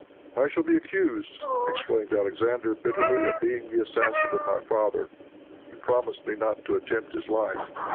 "I shall be accused," exclaimed Alexander bitterly, "of being the assassin of my father. You promised me not to attempt his life.